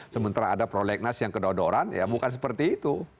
sementara ada prolegnas yang kedodoran ya bukan seperti itu